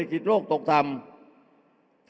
เอาข้างหลังลงซ้าย